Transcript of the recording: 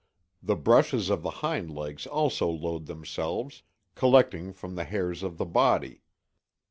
The brushes of the hind legs also load themselves, collecting from the hairs of the body.